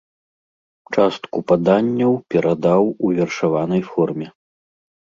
Частку паданняў перадаў у вершаванай форме.